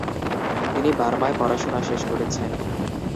তিনি বার্মায় পড়াশোনা শেষ করেছেন।